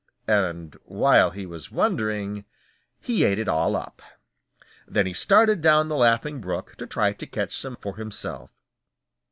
And while he was wondering, he ate it all up. Then he started down the Laughing Brook to try to catch some for himself.